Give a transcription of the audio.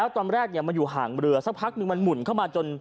ตอนแรกมันอยู่ห่างเรือสักพักนึงมันหมุนเข้ามาจน